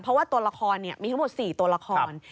เพราะว่าตัวละครมีทั้งหมด๔ตัวละคร